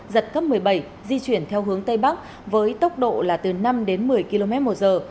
giật cấp một mươi bảy di chuyển theo hướng tây bắc với tốc độ là từ năm đến một mươi km một giờ